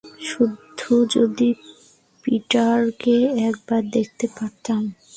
শুধু যদি পিটারকে একবার দেখতে পারতাম।